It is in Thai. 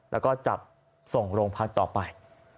แล้วก็จับส่งโรงพักต่อไป